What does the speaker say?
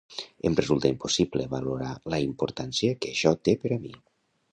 Em resulta impossible valorar la importància que això té per a mi.